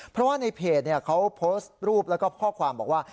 เพราะว่าในเพจเขาโพสต์รูปแล้วก็ข้อความบอกว่า